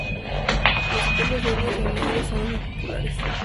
Los pelos rubios o negros son los más populares.